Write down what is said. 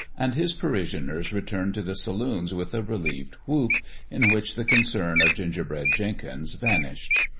" and his parish ioners returned to the saloons with a relieved whoop, in which the concern of Gingerbread Jenkins vanished.